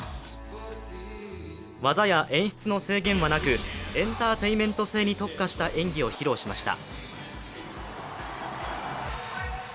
技や演出の制限はなく、エンターテインメント性に特化した演技を披露しました。